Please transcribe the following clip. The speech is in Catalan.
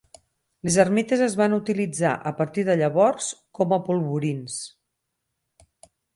Les ermites es van utilitzar a partir de llavors com a polvorins.